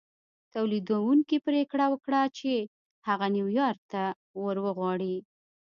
توليدوونکي پرېکړه وکړه چې هغه نيويارک ته ور وغواړي.